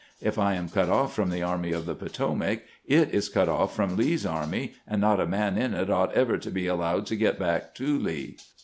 If I am cut off from the Army of the Potomac, it is cut off from Lee's army, and not a man in it ought ever be allowed to get back to Lee.